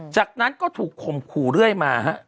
จากนั้นก็ถูกข่มขู่เรื่อยมาฮะ